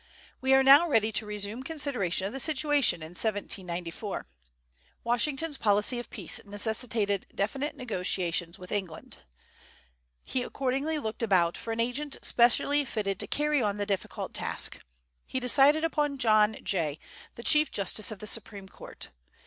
We are now ready to resume consideration of the situation in 1794. Washington's policy of peace necessitated definite negotiations with England. He accordingly looked about for an agent specially fitted to carry on the difficult task. He decided upon John Jay, the Chief Justice of the Supreme Court.